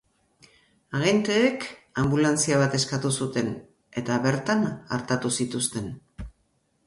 Agenteek anbulantzia bat eskatu zuten, eta bertan artatu zituzten.